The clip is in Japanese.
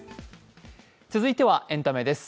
続いては、エンタメです。